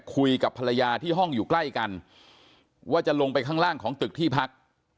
คุยกับภรรยาที่ห้องอยู่ใกล้กันว่าจะลงไปข้างล่างของตึกที่พัก